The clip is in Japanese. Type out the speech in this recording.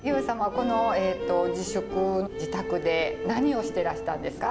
この自粛自宅で何をしてらしたんですか？